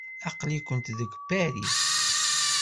Aql-ikent deg Paris?